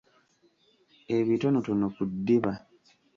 Ebitonotono ku ddiba.